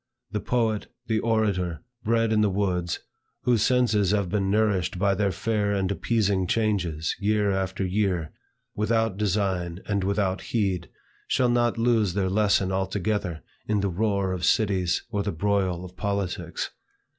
The poet, the orator, bred in the woods, whose senses have been nourished by their fair and appeasing changes, year after year, without design and without heed, shall not lose their lesson altogether, in the roar of cities or the broil of politics.